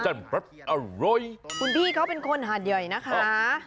คุณพี่เขาเป็นคนหัดใหญ่นะคะ